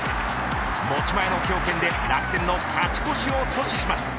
持ち前の強肩で楽天の勝ち越しを阻止します。